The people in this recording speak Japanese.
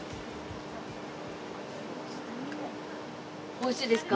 おいしいですか？